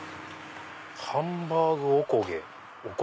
「ハンバーグ・おこげ」。